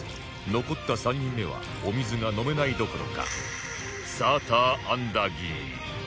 残った３人目はお水が飲めないどころかサーターアンダギー